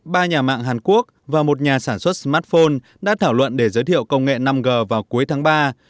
ba nhà mạng hàn quốc và một nhà sản xuất smartphone đã thảo luận để giới thiệu công nghệ năm g vào cuối tháng ba